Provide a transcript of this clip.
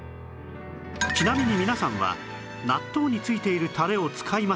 ちなみに皆さんは納豆に付いているタレを使いますか？